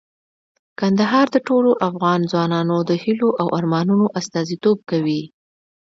کندهار د ټولو افغان ځوانانو د هیلو او ارمانونو استازیتوب کوي.